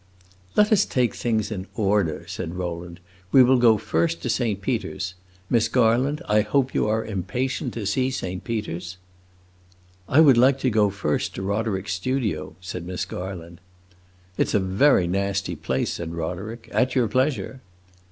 "Let us take things in order," said Rowland. "We will go first to Saint Peter's. Miss Garland, I hope you are impatient to see Saint Peter's." "I would like to go first to Roderick's studio," said Miss Garland. "It 's a very nasty place," said Roderick. "At your pleasure!"